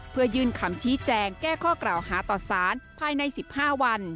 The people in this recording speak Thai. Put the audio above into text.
เพื่อยื่นคำชี้แจงแก้ข้อกล่าวหาต่อสารภายใน๑๕วัน